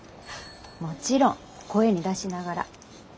もちろん声に出しながら。